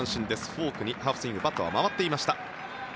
フォークにハーフスイングバットは回っていました。